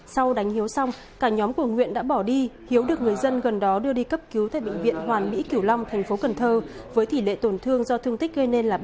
sau đánh hiếu xong cả nhóm của nguyện đã bỏ đi hiếu được người dân gần đó đưa đi cấp cứu tại bệnh viện hoàn mỹ kiểu long thành phố cần thơ với tỷ lệ tổn thương do thương tích gây nên là ba mươi